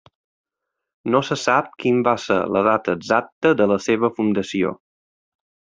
No se sap quin va ser la data exacta de la seva fundació.